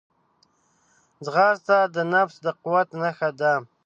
ځغاسته د نفس د قوت نښه ده